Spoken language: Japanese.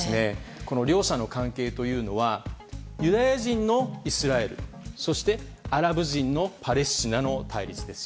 両者の関係というのはユダヤ人のイスラエルそして、アラブ人のパレスチナの対立です。